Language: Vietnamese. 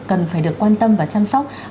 cần phải được quan tâm và chăm sóc